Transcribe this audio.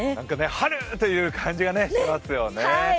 春！という感じがしますよね。